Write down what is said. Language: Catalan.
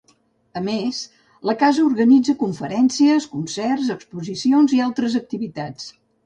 A més, la Casa organitza conferències, concerts, exposicions i altres activitats.